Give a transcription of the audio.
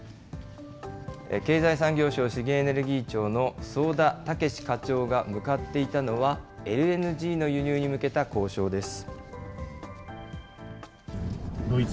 経済産業省資源エネルギー庁の早田豪課長が向かっていたのは、ＬＮＧの輸入に向けた交渉です。